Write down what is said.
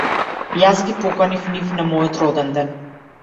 Јас ги поканив нив на мојот роденден.